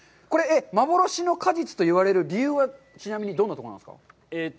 幻の果実と言われる理由は、ちなみに、どんなところなんですか。